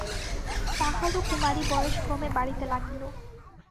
তাহারও কুমারী বয়স ক্রমে বাড়িতে লাগিল।